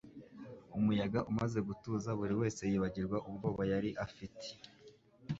Umuyaga umaze gutuza buri wese yibagirwa ubwoba yari afite.